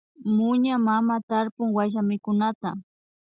Muña mama tarpun wayllamikunata